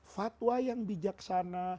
fatwa yang bijaksana